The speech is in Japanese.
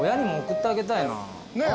ねえ